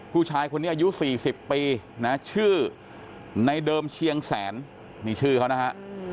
ผู้ชายคนนี่อายุ๔๐ปีนะชื่อในเบิร์นเชียงแศนมีชื่อเขานะครับ